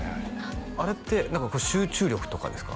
あれって何か集中力とかですか？